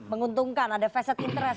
menguntungkan ada facet interest